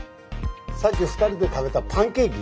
さっき２人で食べたパンケーキ。